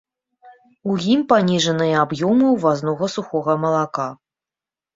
У ім паніжаныя аб'ёмы ўвазнога сухога малака.